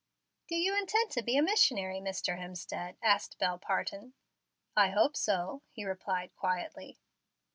"Do you intend to be a missionary, Mr. Hemstead?" asked Bel Parton. "I hope so," he replied, quietly.